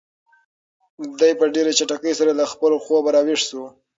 دی په ډېرې چټکۍ سره له خپل خوبه را ویښ شو.